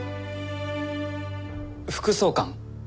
副総監？